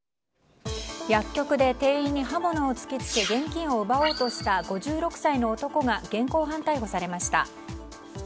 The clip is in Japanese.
薬局で店員に刃物を突き付け現金を奪おうとした５６歳の男が現行犯逮捕されました。